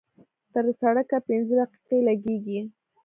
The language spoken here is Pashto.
تر سړکه پينځه دقيقې لګېږي.